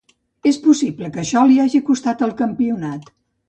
És possible que això li hagi costat el campionat.